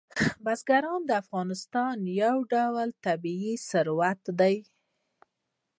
بزګان د افغانستان یو ډول طبعي ثروت دی.